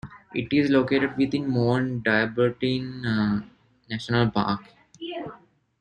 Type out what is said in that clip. It is located within Morne Diablotin National Park.